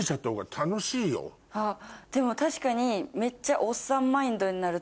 あっでも確かにめっちゃ。